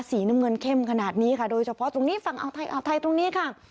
สีน้ำเงินเข้มขนาดนี้ค่ะโดยเฉพาะตรงนี้ฝั่งอ่าวไทยอ่าวไทยตรงนี้ค่ะ